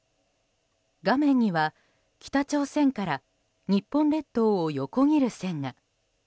画面には北朝鮮から日本列島を横切る線が。